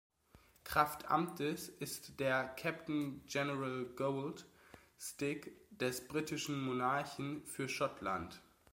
Kraft Amtes ist der Captain General Gold Stick des britischen Monarchen für Schottland.